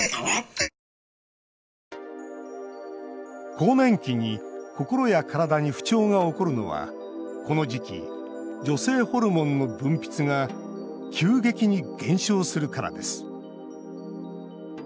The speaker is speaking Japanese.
更年期に心や体に不調が起こるのはこの時期、女性ホルモンの分泌が急激に減少するからです。